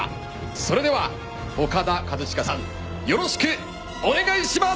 それではオカダカズチカさんよろしくお願いします。